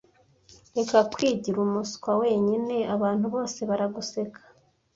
Reka kwigira umuswa wenyine. Abantu bose baraguseka.